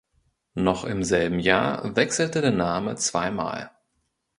Noch im selben Jahr wechselte der Name zweimal.